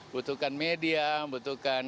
butuhkan media butuhkan